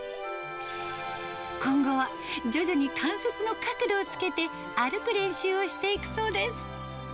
今後は、徐々に関節の角度をつけて、歩く練習をしていくそうです。